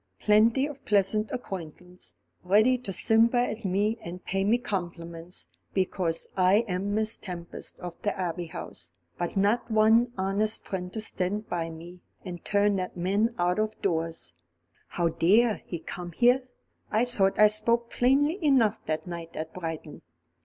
"Plenty of pleasant acquaintance, ready to simper at me and pay me compliments, because I am Miss Tempest of the Abbey House, but not one honest friend to stand by me, and turn that man out of doors. How dare he come here? I thought I spoke plainly enough that night at Brighton."